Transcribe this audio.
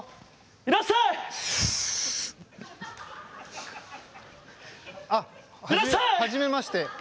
いらっしゃい！はじめまして。